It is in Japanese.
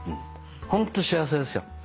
ホント幸せですよ。